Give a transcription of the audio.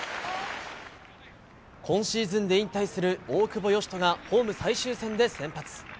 今シーズンで引退する大久保嘉人がホーム最終戦で先発。